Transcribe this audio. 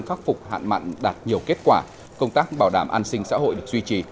khắc phục hạn mặn đạt nhiều kết quả công tác bảo đảm an sinh xã hội được duy trì